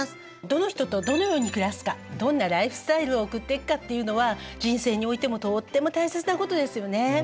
どの人とどのように暮らすかどんなライフスタイルを送っていくかっていうのは人生においてもとっても大切なことですよね。